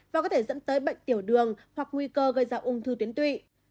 và có thể dẫn tới bệnh tiểu đường hoặc nguy cơ gây ra ung thư tuyến tụy